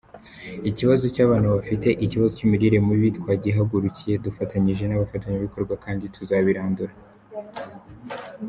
Ikibazo cy’abana bafite ikibazo cy’imirire mibi twagihagurukiye dufatanyije n’abafatanyabikorwa kandi tuzabirandura.